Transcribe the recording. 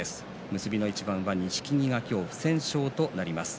結びの一番は錦木が今日不戦勝となります。